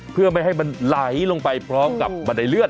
เพื่อไม่ให้มันไหลลงไปพร้อมกับบันไดเลื่อน